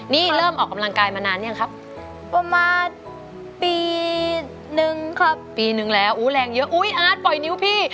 นี่เริ่มออกกำลังกายมานานยังครับประมาณปีหนึ่งครับปีนึงแล้วอุ้ยแรงเยอะอุ๊ยอาร์ตปล่อยนิ้วพี่